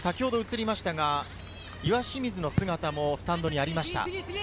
岩清水の姿もスタンドにありました。